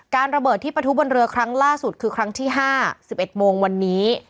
ระเบิดที่ประทุบนเรือครั้งล่าสุดคือครั้งที่๕๑๑โมงวันนี้